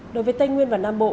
đối với tây nguyên và nam bộ